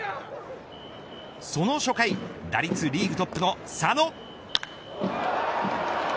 その初回打率リーグトップの佐野。